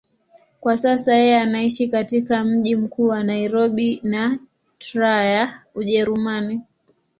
Kwa sasa yeye anaishi katika mji mkuu wa Nairobi na Trier, Ujerumani.